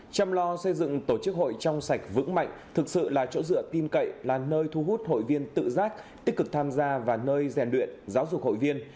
chăm lo xây dựng tổ chức hội trong sạch vững mạnh thực sự là chỗ dựa tin cậy là nơi thu hút hội viên tự giác tích cực tham gia vào nơi rèn luyện giáo dục hội viên